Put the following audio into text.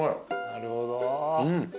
なるほど。